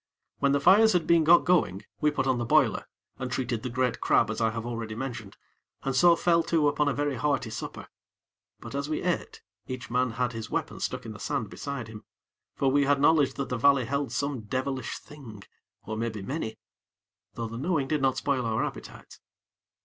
When the fires had been got going, we put on the boiler, and treated the great crab as I have already mentioned, and so fell to upon a very hearty supper; but, as we ate, each man had his weapon stuck in the sand beside him; for we had knowledge that the valley held some devilish thing, or maybe many; though the knowing did not spoil our appetites.